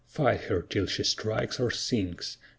Fight her till she strikes or sinks!